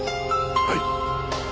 はい。